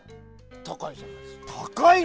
高いじゃないですか。